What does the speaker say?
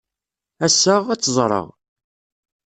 Ass-a, ad tt-ẓreɣ.